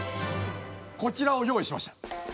こちらを用意しました。